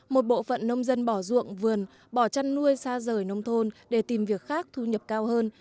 một bộ phận nông dân bỏ ruộng vườn bỏ chăn nuôi xa rời nông thôn để tìm việc khác thu nhập cao hơn